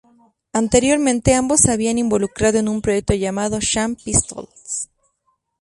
Anteriormente, ambos se habían involucrado en un proyecto llamado "Sham Pistols".